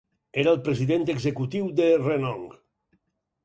Era el president executiu de Renong.